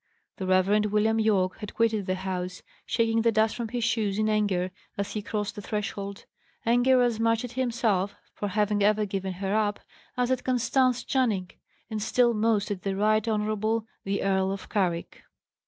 The Reverend William Yorke had quitted the house, shaking the dust from his shoes in anger, as he crossed the threshold. Anger as much at himself, for having ever given her up, as at Constance Channing; and still most at the Right Honourable the Earl of Carrick.